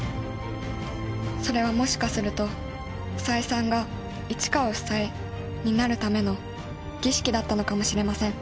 それはもしかすると房枝さんが「市川房枝」になるための儀式だったのかもしれません